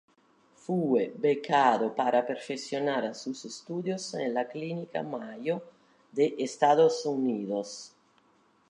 Fue becado para perfeccionar sus estudios en la Clínica Mayo de Estados Unidos.